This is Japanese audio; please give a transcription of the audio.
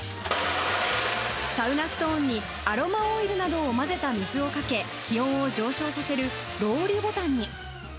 サウナストーンにアロマオイルなどを混ぜた水をかけ、気温を上昇させるロウリュボタンに。